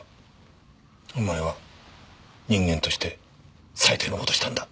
お前は人間として最低の事をしたんだ。